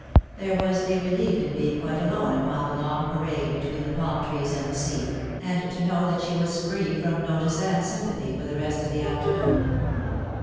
There was a relief in being quite alone upon the long parade between the palm trees and the sea, and to know that she was free from notice and sympathy for the rest of the afternoon.